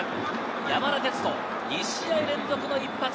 山田哲人、２試合連続の１発。